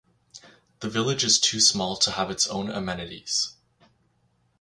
The village is too small to have its own amenities.